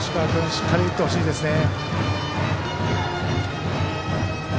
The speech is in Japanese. しっかり打ってほしいですね。